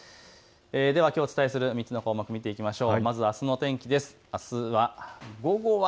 ではきょうお伝えする３つの項目見ていきましょう。